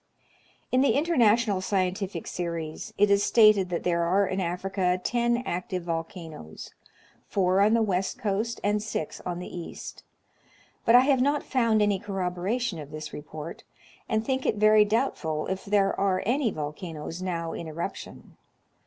In the International Scientific Series it is stated that there are in Africa ten active volcanoes, — four on the west coast, and six on the east, — but I have not found any corroboration of this report, and think it very doubtful if there are any volcanoes now in eruption.